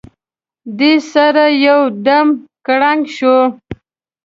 دې سره یو دم کړنګ شو.